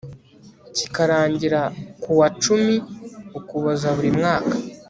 kikarangira kuwa cumi ukuboza buri mwaka